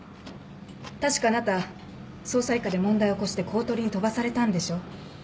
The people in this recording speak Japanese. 確かあなた捜査一課で問題を起こして公取に飛ばされたんでしょ？